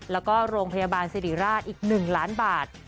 แล้วก็โรงพยาบาลสิริราชอีก๑ล้านบาท